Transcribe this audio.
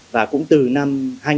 và cũng từ năm hai nghìn hai